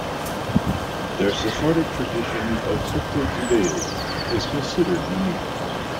Their Sephardic tradition of Crypto-Judaism is considered unique.